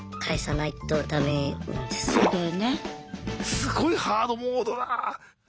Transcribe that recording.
すごいハードモードだ。